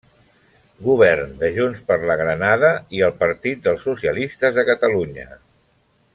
Govern de Junts per la Granada i el Partit dels Socialistes de Catalunya.